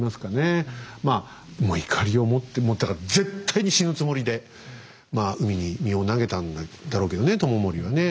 まあもういかりを持ってもうだから絶対に死ぬつもりでまあ海に身を投げたんだろうけどね知盛はね。